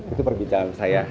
itu perbicaraan saya